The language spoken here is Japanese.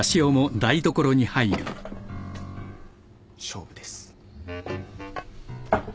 勝負です。